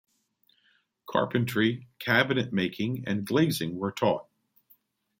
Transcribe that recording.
Carpentry, cabinet making, and glazing were taught.